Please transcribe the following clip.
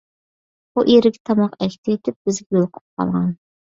ئۇ ئېرىگە تاماق ئەكېتىۋېتىپ بىزگە يولۇقۇپ قالغان.